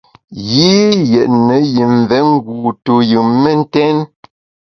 Yi yétne yi mvé ngu tuyùn mentèn.